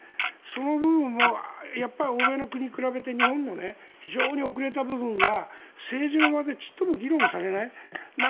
その部分もやっぱり欧米の国に比べて日本の非常に遅れた部分が政治の場でちっとも議論されない。